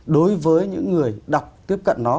đối với những người đọc tiếp cận nó